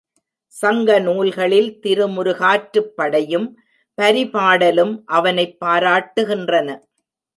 சங்க நூல்களில் திருமுரு காற்றுப்படையும் பரிபாடலும் அவனைப் பாராட்டுகின்றன.